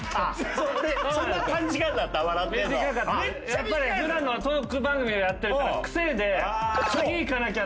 やっぱり普段トーク番組をやってるから癖で次いかなきゃ！